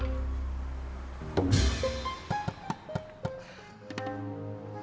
aduh aduh aduh aduh